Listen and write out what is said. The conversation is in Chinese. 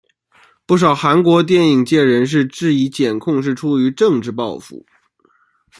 不少韩国电影界人士质疑检控是出于政治报复。